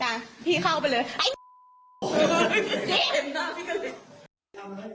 น้าสาวของน้าผู้ต้องหาเป็นยังไงไปดูนะครับ